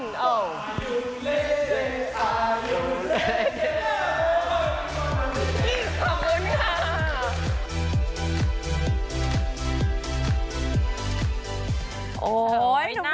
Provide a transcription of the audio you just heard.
ขอบคุณค่ะ